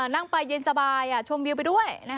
นั่งไปเย็นสบายชมวิวไปด้วย